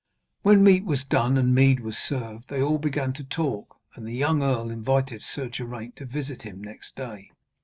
When meat was done and mead was served, they all began to talk, and the young earl invited Sir Geraint to visit him next day.